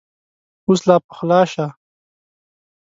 اوس لا پخلا شه !